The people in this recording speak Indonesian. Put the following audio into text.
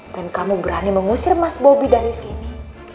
dan kamu berani mengusir mas bobby dari sini